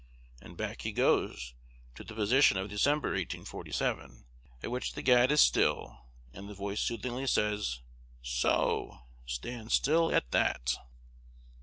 and back he goes to the position of December, 1847; at which the gad is still, and the voice soothingly says, "So!" "Stand still at that."